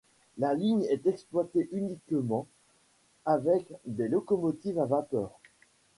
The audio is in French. La ligne est exploitée uniqumement avec des locomotives à vapeur.